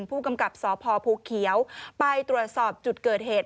ผู้กำกับสพภูเขียวไปตรวจสอบจุดเกิดเหตุ